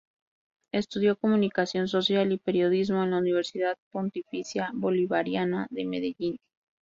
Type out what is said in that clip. Estudió Comunicación Social y Periodismo en la Universidad Pontificia Bolivariana de Medellín.